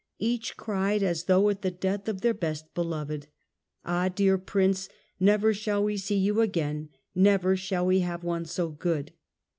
" Each cried as though at the death of their best beloved." "Ah dear Prince, never shall we see you again, never shall we have one so good."